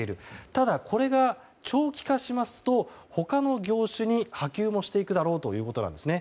ただ、これが長期化しますと他の業種に波及もしていくだろうということなんです。